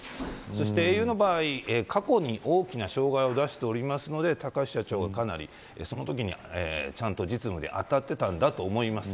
そしてａｕの場合過去に大きな障害を出しているので高橋社長が、かなりそのときにちゃんと実務に当たっていたんだと思います。